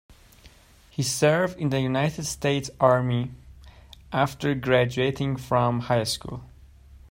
He served in the United States Army after graduating from high school.